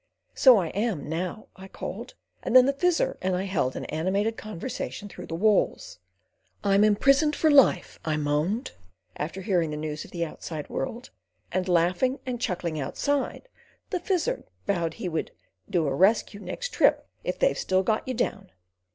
"So I am now," I called; and then the Fizzer and I held an animated conversation through the walls. "I'm imprisoned for life," I moaned, after hearing the news of the outside world; and laughing and chuckling outside, the Fizzer vowed he would "do a rescue next trip if they've still got you down."